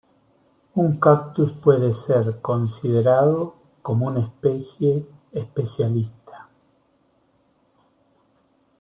Un cactus puede ser considerado como una especie especialista.